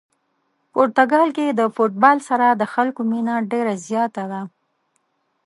پرتګال کې د فوتبال سره د خلکو مینه ډېره زیاته ده.